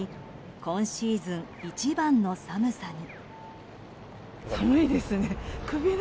今シーズン一番の寒さに。